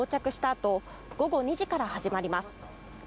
あと午後２時から始まります。